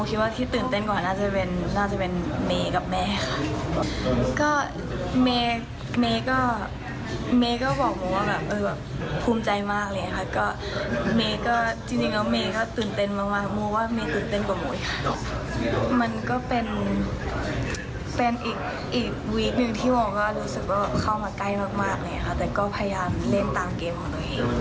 ก็รู้สึกว่าเข้ามาใกล้มากเลยค่ะแต่ก็พยายามเล่นตามเกมของตัวเอง